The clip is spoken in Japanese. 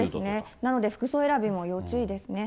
なので、服装選びも要注意ですね。